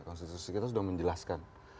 konstitusi kita sudah menjelaskan